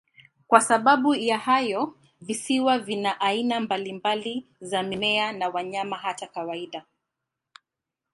Kwa sababu ya hayo, visiwa vina aina mbalimbali za mimea na wanyama, hata kawaida.